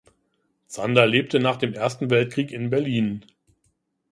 Zander lebte nach dem Ersten Weltkrieg in Berlin.